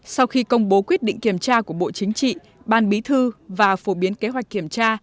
sau khi công bố quyết định kiểm tra của bộ chính trị ban bí thư và phổ biến kế hoạch kiểm tra